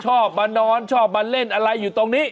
ชอบมานอนชอบมาเล่นอะไรอยู่ตรงนี้